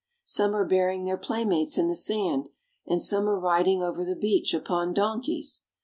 Some are burying their playmates in the sand, and some are riding over the beach upon donkeys.